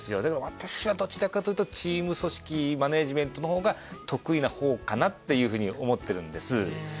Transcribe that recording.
だから私はどちらかというとチーム組織マネジメントの方が得意な方かなって思ってるんです。